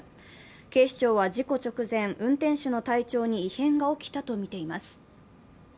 警視庁は事故直前、運転手の体調に異変が起きたとみています。